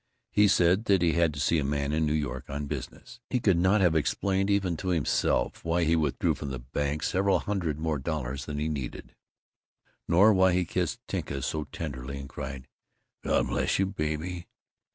He said that he had to see a man in New York on business. He could not have explained even to himself why he drew from the bank several hundred dollars more than he needed, nor why he kissed Tinka so tenderly, and cried, "God bless you, baby!"